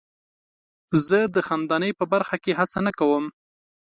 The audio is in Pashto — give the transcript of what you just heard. زه د خندنۍ په برخه کې هڅه نه کوم.